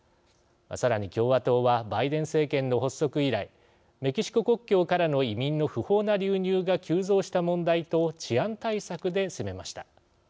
さらに共和党はバイデン政権の発足以来メキシコ国境からの移民の不法な流入が急増した問題と治安対策で攻めました。